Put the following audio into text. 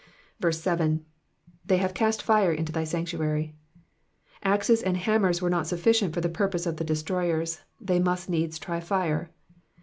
7. ^^They have cast fire into thy sanctuary. ^^ Axes and hammers were not sufficient for the purpose of the destroyers, they must needs try fire.